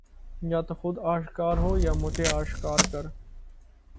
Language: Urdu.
یا تو خود آشکار ہو یا مجھے آشکار کر